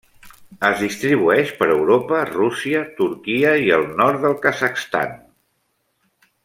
Es distribueix per Europa, Rússia, Turquia i nord del Kazakhstan.